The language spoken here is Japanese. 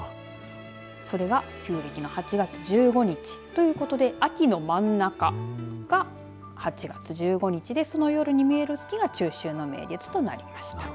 それが旧暦の８月１５日ということで秋の真ん中が８月１５日でその夜に見える月が中秋の名月となりました。